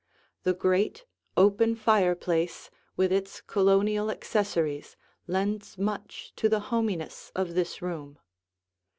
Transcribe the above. The great open fireplace with its Colonial accessories lends much to the hominess of this room.